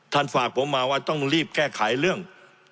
ฝากผมมาว่าต้องรีบแก้ไขเรื่อง